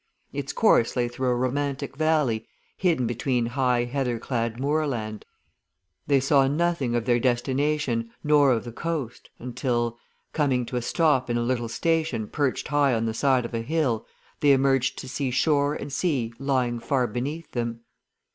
Its course lay through a romantic valley hidden between high heather clad moorland; they saw nothing of their destination nor of the coast until, coming to a stop in a little station perched high on the side of a hill they emerged to see shore and sea lying far beneath them.